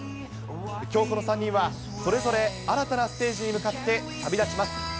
きょうこの３人は、それぞれ新たなステージに向かって旅立ちます。